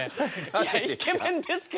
いやイケメンですけど。